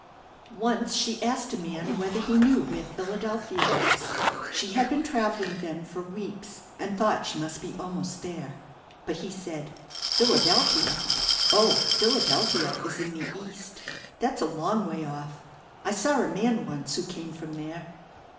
Once she asked a man whether he knew where Philadelphia was. She had been travelling then for weeks, and thought she must be almost there. But he said "Philadelphia? O, Philadelphia is in the East. That's a long way off. I saw a man once who came from there."